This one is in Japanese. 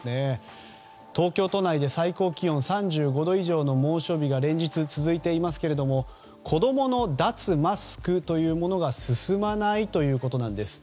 東京都内で最高気温３５度以上の猛暑日が連日続いていますけども子供の脱マスクというものが進まないということなんです。